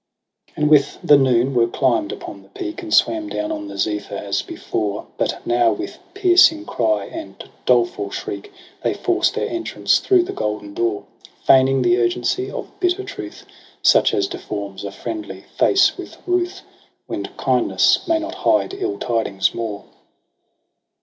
+ And with the noon were climb'd upon the peak. And swam down on the Zephyr as before • But now with piercing cry and dolefiil shriek They force their entrance through the golden door. Feigning the urgency of bitter truth j Such as deforms a friendly face with ruth. When kindness may not hide ill tidings more.